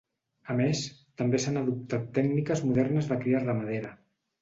A més, també s'han adoptat tècniques modernes de cria ramadera.